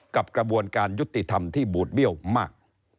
กระบวนการยุติธรรมที่บูดเบี้ยวมาก